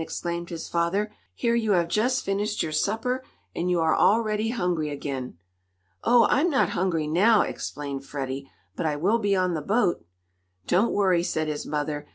exclaimed his father. "Here you have just finished your supper, and you are already hungry again." "Oh, I'm not hungry now," explained Freddie, "but I will be on the boat." "Don't worry," said his mother.